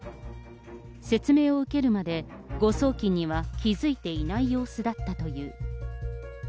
説明を受けるまで、誤送金には気付いていない様子だったという。